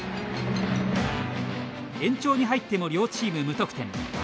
延長に入っても両チーム無得点。